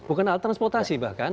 bukan alat transportasi bahkan